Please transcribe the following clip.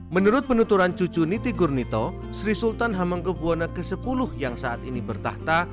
menurut penuturan cucu niti gurnito sri sultan hamengkebuwana x yang saat ini bertahta